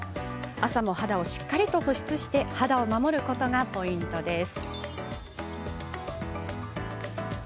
朝も肌をしっかり保湿して肌を守ることがポイントです。